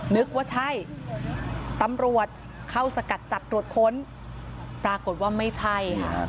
นึกว่าใช่ตำรวจเข้าสกัดจับตรวจค้นปรากฏว่าไม่ใช่ค่ะ